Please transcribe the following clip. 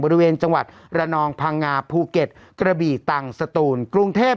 บริเวณจังหวัดระนองพังงาภูเก็ตกระบี่ตังสตูนกรุงเทพ